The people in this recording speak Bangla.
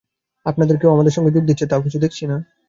অপর কেউ তোমাদের সঙ্গে যোগ দিচ্ছে, তাও কিছু দেখছি না।